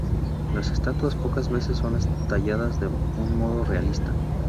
Las estatuas pocas veces son talladas de un modo realista.